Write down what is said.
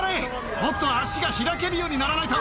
もっと足が開けるようにならないと。